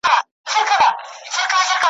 هم شهید وي هم غازي پر زمانه وي ,